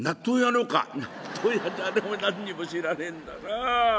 「納豆誰も何にも知らねえんだな。